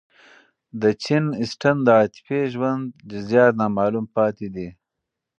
د جین اسټن د عاطفي ژوند جزئیات نامعلوم پاتې دي.